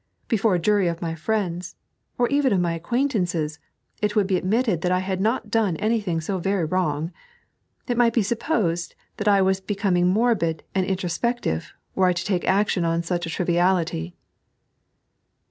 Before a jury of my friends, or even of my acquaintances, it would be ad mitted that I had not done anything so very wrong. It might be supposed that I was becoming morbid and intro spective, were I to take action on such a triviality."